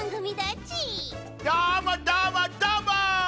どーもどーもどーも！